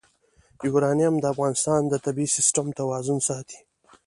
یورانیم د افغانستان د طبعي سیسټم توازن ساتي.